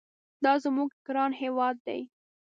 دا زموږ ګران هېواد دي.